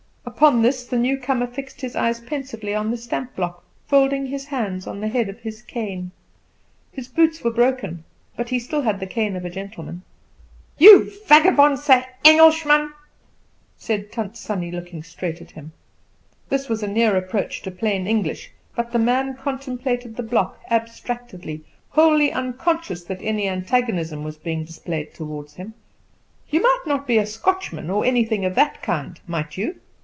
Upon this the newcomer fixed his eyes pensively on the stamp block, folding his hands on the head of his cane. His boots were broken, but he still had the cane of a gentleman. "You vagabonds se Engelschman!" said Tant Sannie, looking straight at him. This was a near approach to plain English; but the man contemplated the block abstractedly, wholly unconscious that any antagonism was being displayed toward him. "You might not be a Scotchman or anything of that kind, might you?"